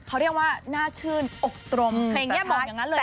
เขาเรียกว่าน่าชื่นอกตรมเพลงนี้บอกอย่างนั้นเลย